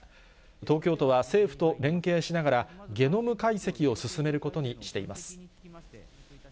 東京都は政府と連携しながら、ゲノム解析を進めることにしています。